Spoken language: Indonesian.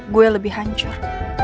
gue lebih hancur